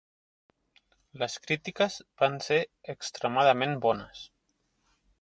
Les crítiques van ser extremadament bones.